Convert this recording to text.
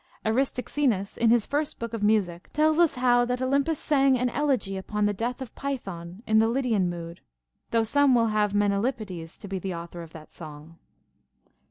Aristoxenus, in his first book of music, tells us how that Olympus sang an elegy upon the death of Python in the Lydian mood, though some will have Menalippides to be the author of that song.